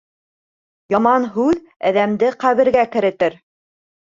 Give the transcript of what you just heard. Яман һүҙ әҙәмде ҡәбергә керетер.